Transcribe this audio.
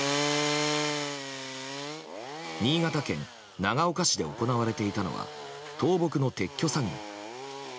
新潟県長岡市で行われていたのは倒木の撤去作業。